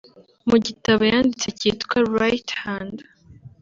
mu gitabo yanditse kitwa Right Hand